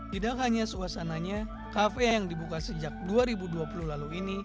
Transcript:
tidak hanya suasananya kafe yang dibuka sejak dua ribu dua puluh lalu ini